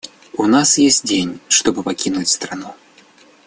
У нас есть день, чтобы покинуть страну.